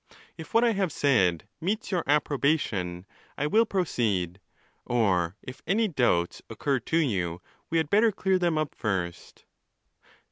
If what I have said meets your approbation, I will proceed; or if any doubts occur to you, we had better clear them up first.